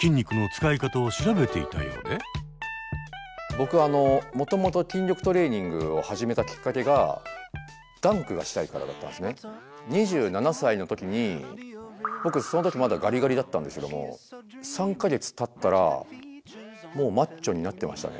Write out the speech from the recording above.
僕あのもともと筋力トレーニングを始めたきっかけが２７歳の時に僕その時まだガリガリだったんですけども３か月たったらもうマッチョになってましたね。